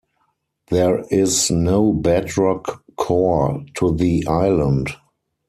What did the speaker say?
There is no bedrock core to the island.